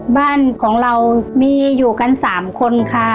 บ้านของเรามีอยู่กัน๓คนค่ะ